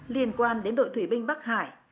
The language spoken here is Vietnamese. liên quan đến đội thủy binh bắc hải